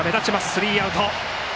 スリーアウト。